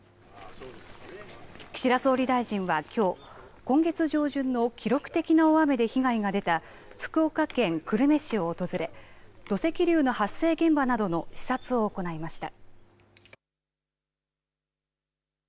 岸田総理大臣はきょう今月上旬の記録的な大雨で被害が出た福岡県久留米市を訪れ土石流の発生現場などの視察を行いました。